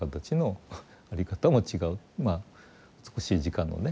まあ美しい時間のね